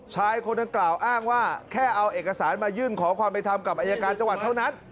ชายคนดังกล่าวอ้างว่าแค่เอาเอกสารมายื่นขอความเป็นธรรมกับอายการจังหวัดเท่านั้น